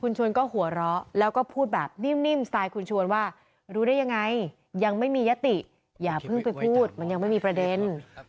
ชวนก็หัวเราะแล้วก็พูดแบบนิ่มสไตล์คุณชวนว่ารู้ได้ยังไงยังไม่มียติอย่าเพิ่งไปพูดมันยังไม่มีประเด็น